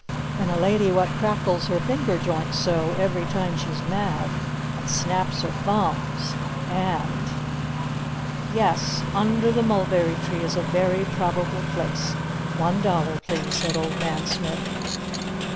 And a lady what crackles her finger joints so every time she's mad, and snaps her thumbs and? Yes! Under the Mulberry Tree is a very Probable Place! One dollar, please!" said Old Man Smith.